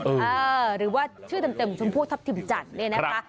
หรือว่าชื่อเต็มชมพู่ทัพทิมจันทร์เนี่ยนะคะ